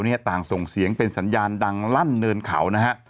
ต่างส่งเสียงเป็นสัญญาณดังลั่นเนินเขานะฮะ